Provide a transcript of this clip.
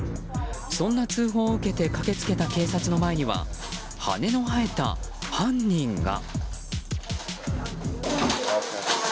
そんな通報を受けて駆け付けた警察の前には羽の生えた犯人が。